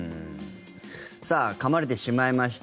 さあかまれてしまいました。